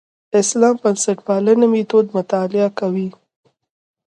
اسلام بنسټپالنې میتود مطالعه کوي.